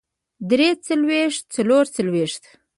درې څلوېښت څلور څلوېښت